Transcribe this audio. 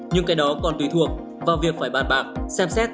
nhưng cái đó còn tùy thuộc vào việc phải bàn bạc xem xét